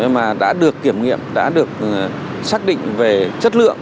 mà đã được kiểm nghiệm đã được xác định về chất lượng